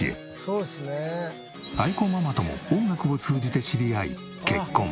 愛子ママとも音楽を通じて知り合い結婚。